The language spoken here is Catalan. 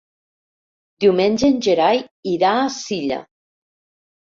Diumenge en Gerai irà a Silla.